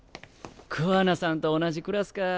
桑名さんと同じクラスか。